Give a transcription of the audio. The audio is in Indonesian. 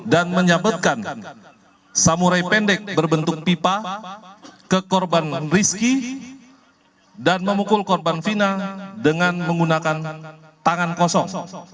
dan menyambutkan samurai pendek berbentuk pipa ke korban rizki dan memukul korban vina dengan menggunakan tangan kosong